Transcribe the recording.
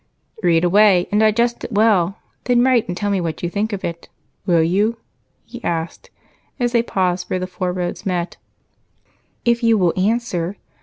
"Read away, and digest it well, then write and tell me what you think of it. Will you?" he asked as they paused where the four roads met. "If you will answer.